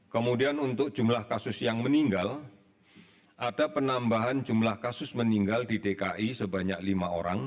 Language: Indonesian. kemudian untuk jumlah kasus yang meninggal ada penambahan jumlah kasus meninggal di dki sebanyak lima orang